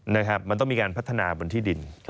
นะครับมันต้องมีการพัฒนาบนที่ดิน